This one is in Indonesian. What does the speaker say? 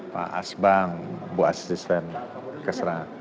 pak asbang bu asisten keserah